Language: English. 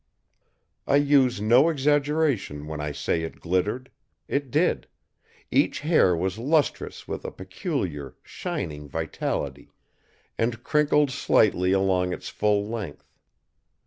I use no exaggeration when I say it glittered. It did; each hair was lustrous with a peculiar, shining vitality, and crinkled slightly along its full length.